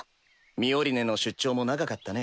ミオリネの出張も長かったね。